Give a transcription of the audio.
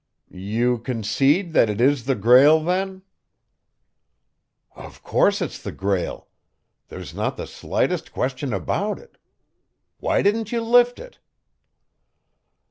"You concede that it is the Grail then?" "Of course it's the Grail there's not the slightest question about it. Why didn't you lift it?"